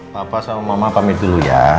papa sama mama pamit dulu ya